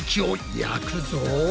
焼くぞ！